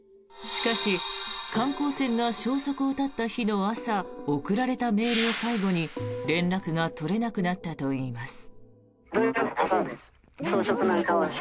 しかし、観光船が消息を絶った日の朝送られたメールを最後に、連絡が取れなくなったといいます。